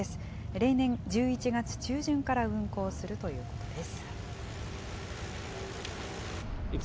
例年、１１月中旬から運行するということです。